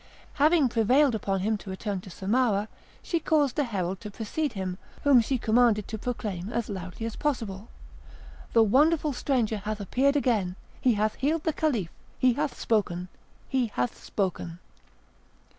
Having prevailed upon him to return to Samarah, she caused a herald to precede him, whom she commanded to proclaim as loudly as possible: "The wonderful stranger hath appeared again; he hath healed the Caliph; he hath spoken! he hath spoken!"